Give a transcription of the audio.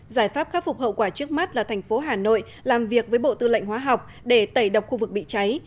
giải pháp khắc phục hậu quả trước mắt là tp hcm làm việc với bộ tư lệnh hóa học để tẩy độc khu vực bị cháy